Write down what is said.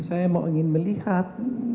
saya mau ingin melihat